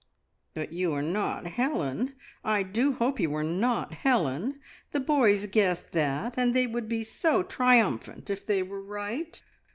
"But you are not Helen! I do hope you are not Helen. The boys guessed that, and they would be so triumphant if they were right."